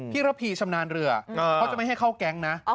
ระพีชำนาญเรือเขาจะไม่ให้เข้าแก๊งนะ